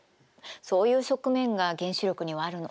そういう側面が原子力にはあるの。